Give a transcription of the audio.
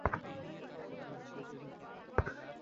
Channel পাল্টালি কেন?